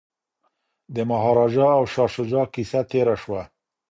د مهاراجا او شاه شجاع کیسه تیره شوه.